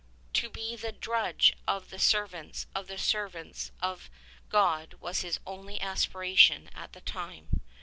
To be the drudge of the servants of the servants of God was his only aspiration at this time.